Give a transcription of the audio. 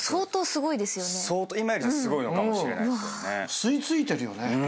吸い付いてるよね。